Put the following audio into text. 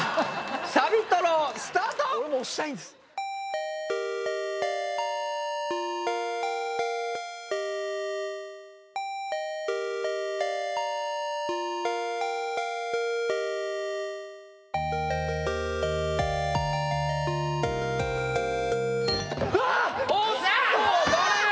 サビトロスタート俺も押したいんですおっと誰や？